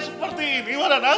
seperti ini wah dadah